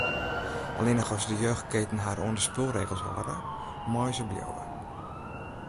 Allinnich as de jeugdketen har oan de spulregels hâlde, meie se bliuwe.